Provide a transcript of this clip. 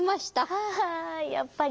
ははあやっぱり。